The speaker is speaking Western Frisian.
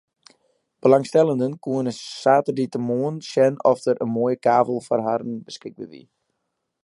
Belangstellenden koene saterdeitemoarn sjen oft der in moaie kavel foar har beskikber wie.